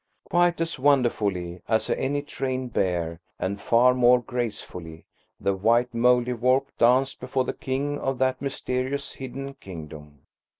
Quite as wonderfully as any trained bear, and far more gracefully, the white Mouldiwarp danced before the King of that mysterious hidden kingdom.